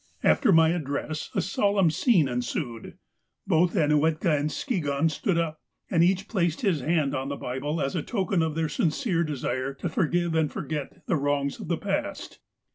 "After my address, a solemn scene ensued. Both Ainuetka and Skigahn stood up, and each placed his hand on the Bible, as a token of their sincere desire to forgive and forget the wrongs of the past.